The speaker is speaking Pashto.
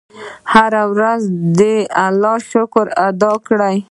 هره ورځ د الله شکر ادا کړه.